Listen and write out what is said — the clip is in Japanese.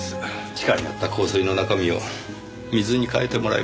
地下にあった香水の中身を水に替えてもらいました。